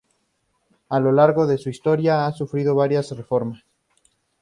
A lo largo de su historia ha sufrido varias reformas.